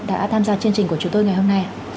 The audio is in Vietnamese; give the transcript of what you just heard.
đã tham gia chương trình của chúng tôi ngày hôm nay